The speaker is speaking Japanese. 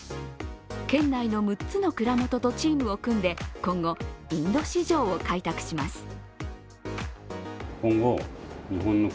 県内の６つの蔵元とチームを組んで今後、インド市場を開拓します。